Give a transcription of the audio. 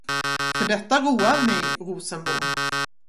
För detta roar mig, Rosenbom.